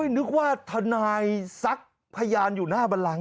นึกว่าทนายซักพยานอยู่หน้าบันลัง